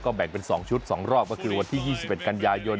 แบ่งเป็น๒ชุด๒รอบก็คือวันที่๒๑กันยายน